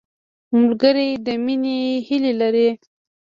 ملګری د مینې هیلې لري